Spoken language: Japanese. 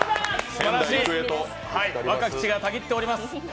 すばらしい、若き血がたぎっております。